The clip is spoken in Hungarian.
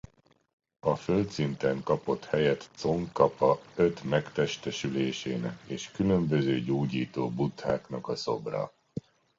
A földszinten kapott helyet Congkapa öt megtestesülésének és különböző gyógyító buddháknak a szobra.